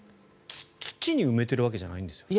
土に埋めてるわけじゃないんですか？